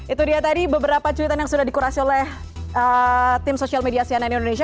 itu dia tadi beberapa cuitan yang sudah dikurasi oleh tim sosial media cnn indonesia